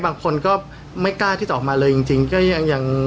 บางคนก็ไม่กล้าที่จะออกมาเลยจริงก็ยัง